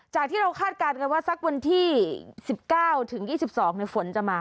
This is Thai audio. ที่เราคาดการณ์กันว่าสักวันที่๑๙ถึง๒๒ฝนจะมา